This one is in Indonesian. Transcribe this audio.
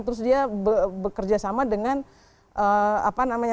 terus dia bekerja sama dengan